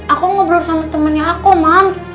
aku ngobrol sama temennya aku man